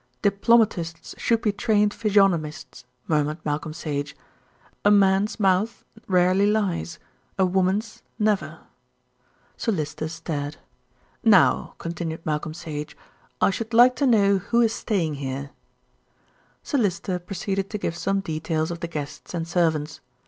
"Diplomatists should be trained physiognomists," murmured Malcolm Sage. "A man's mouth rarely lies, a woman's never." Sir Lyster stared. "Now," continued Malcolm Sage, "I should like to know who is staying here." Sir Lyster proceeded to give some details of the guests and servants.